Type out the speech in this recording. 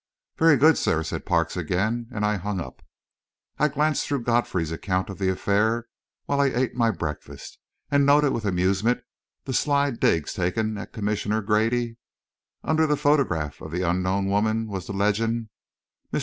"Very good, sir," said Parks again, and I hung up. I glanced through Godfrey's account of the affair while I ate my breakfast, and noted with amusement the sly digs taken at Commissioner Grady. Under the photograph of the unknown woman was the legend: MR.